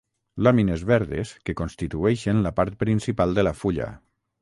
Làmines verdes que constitueixen la part principal de la fulla.